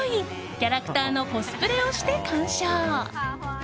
キャラクターのコスプレをして鑑賞。